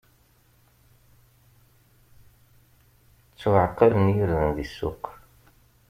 Ttwaɛqalen yirden di ssuq!